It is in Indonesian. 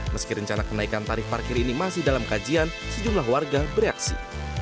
meski rencana kenaikan tarif parkir ini masih dalam kajian sejumlah warga bereaksi